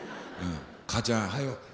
「母ちゃんはよ